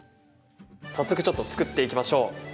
早速、ちょっと作っていきましょう。